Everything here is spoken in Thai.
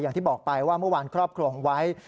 อย่างที่บอกไปว่าเมื่อวานครอบครัวของไวท์